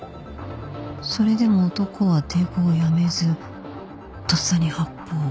それでも男は抵抗をやめずとっさに発砲